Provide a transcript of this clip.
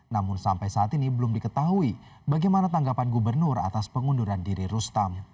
namun sampai saat ini belum diketahui bagaimana tanggapan gubernur atas pengunduran diri rustam